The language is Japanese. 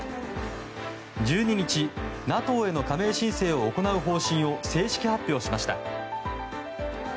１２日、ＮＡＴＯへの加盟申請を行う方針を正式発表しました。